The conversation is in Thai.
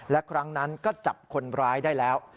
และครั้งนั้นก็จับคนร้ายได้แล้ว